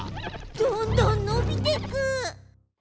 どんどんのびてく。